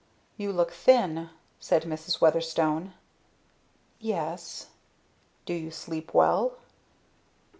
"You look thin," said Mrs. Weatherstone. "Yes " "Do you sleep well?"